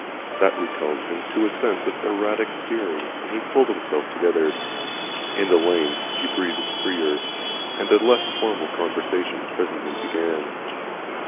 That recalled him to a sense of erratic steering, and he pulled himself together. In the lanes he breathed freer, and a less formal conversation presently began.